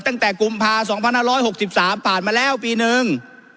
ตั้งแต่กุมภาคม๒๕๖๓ผ่านมาแล้วปีหนึ่ง